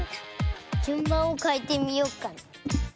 じゅんばんをかえてみようかな。